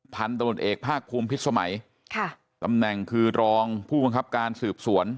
พันธุ์ตำรวจเอกภาคภูมิพิษสมัยค่ะตำแหน่งคือรองผู้บังคับการสืบสวน